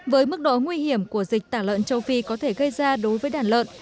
với mức độ nguy hiểm của dịch tả lợn châu phi có thể gây ra đối với đàn lợn